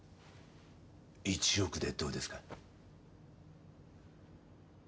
１億でどうですか？